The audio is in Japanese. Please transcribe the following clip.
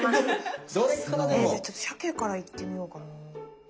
えじゃあちょっとしゃけからいってみようかな。